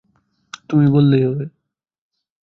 তুমি বললেই হবে।